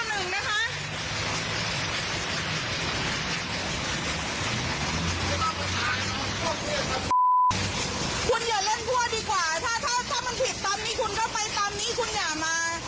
คุณอย่าเล่นพั่วดีกว่าถ้ามันผิดตอนนี้คุณก็ไปตามนี้คุณอย่ามา